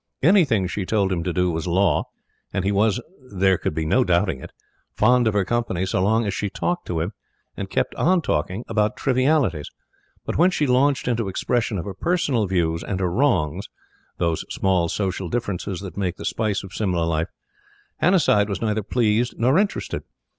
Anything she told him to do was law; and he was, there could be no doubting it, fond of her company so long as she talked to him, and kept on talking about trivialities. But when she launched into expression of her personal views and her wrongs, those small social differences that make the spice of Simla life, Hannasyde was neither pleased nor interested.